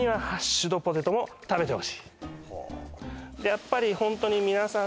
やっぱりホントに皆さん